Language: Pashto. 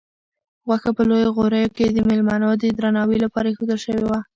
غوښه په لویو غوریو کې د مېلمنو د درناوي لپاره ایښودل شوې وه.